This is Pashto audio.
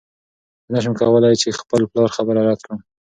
زه نشم کولی چې د خپل پلار خبره رد کړم.